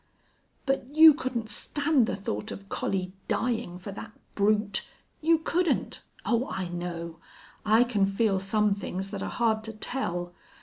"But you couldn't stand the thought of Collie dying for that brute! You couldn't! Oh, I know. I can feel some things that are hard to tell.